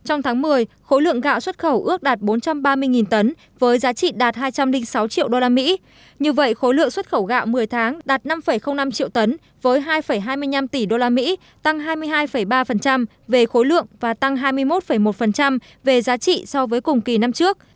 trong tháng một mươi khối lượng gạo xuất khẩu ước đạt bốn trăm ba mươi tấn với giá trị đạt hai trăm linh sáu triệu usd như vậy khối lượng xuất khẩu gạo một mươi tháng đạt năm năm triệu tấn với hai hai mươi năm tỷ usd tăng hai mươi hai ba về khối lượng và tăng hai mươi một một về giá trị so với cùng kỳ năm trước